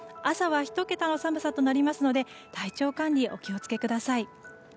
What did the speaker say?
朝は１桁の寒さとなりますので体調管理、お気をつけください。